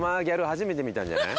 初めて見たんじゃない？